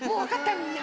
みんな。